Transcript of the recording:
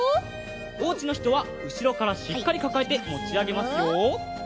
おうちのひとはうしろからしっかりかかえてもちあげますよ。